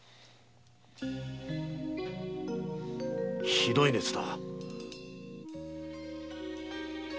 ひどい熱だ。